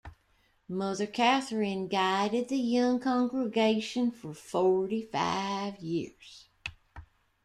Mother Catherine guided the young Congregation for forty-five years.